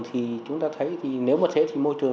thì chúng ta thấy thì nếu mà thế thì môi trường